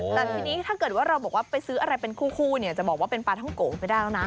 แต่ทีนี้ถ้าเกิดว่าเราบอกว่าไปซื้ออะไรเป็นคู่เนี่ยจะบอกว่าเป็นปลาท่องโกะไม่ได้แล้วนะ